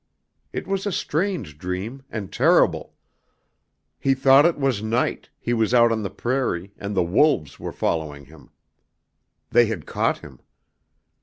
It was a strange dream and terrible. He thought it was night, he was out on the prairie, and the wolves were following him. They had caught him.